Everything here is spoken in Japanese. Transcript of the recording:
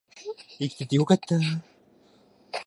生きててよかった